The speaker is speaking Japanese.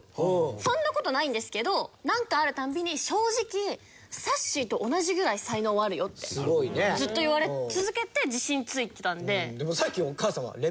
そんな事ないんですけどなんかあるたびに正直さっしーと同じぐらい才能はあるよってずっと言われ続けて自信ついてたんで。